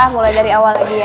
mulai dari awal lagi ya